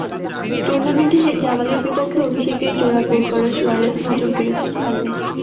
টুর্নামেন্টে শেখ জামালের বিপক্ষে অভিষেকেই জোড়া গোল করা সুয়ারেজ নজর কেড়েছেন ভালোই।